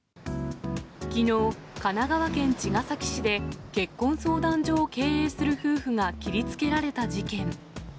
きのう、神奈川県茅ヶ崎市で、結婚相談所を経営する夫婦が切りつけられた事件。